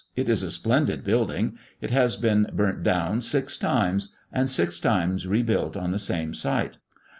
It is a splendid building; it has been burnt down six times, and six times rebuilt on the same site.